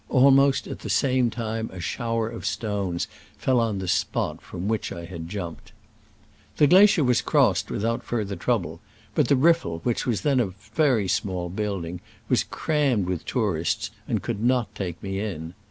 Almost at the same moment a shower of stones fell on the spot from which I had jumped. The glacier was crossed without fur ther trouble, but the RifTel, which was then a very small building, was cram med, with tourists, and could not take me in.